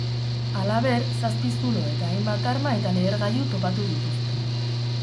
Halaber, zazpi zulo eta hainbat arma eta lehergailu topatu dituzte.